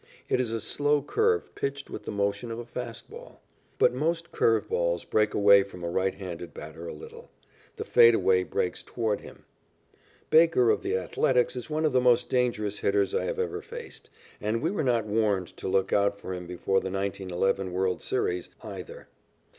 It is a slow curve pitched with the motion of a fast ball. But most curve balls break away from a right handed batter a little. The fade away breaks toward him. Baker, of the Athletics, is one of the most dangerous hitters I have ever faced, and we were not warned to look out for him before the 1911 world's series, either.